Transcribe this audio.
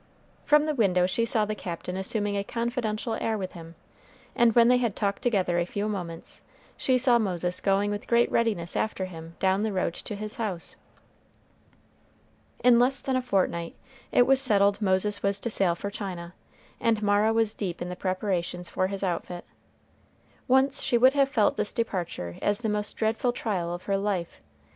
From the window she saw the Captain assuming a confidential air with him; and when they had talked together a few moments, she saw Moses going with great readiness after him down the road to his house. In less than a fortnight, it was settled Moses was to sail for China, and Mara was deep in the preparations for his outfit. Once she would have felt this departure as the most dreadful trial of her life.